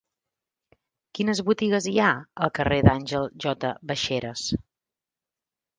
Quines botigues hi ha al carrer d'Àngel J. Baixeras?